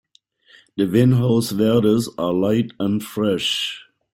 The Vinhos Verdes are light and fresh.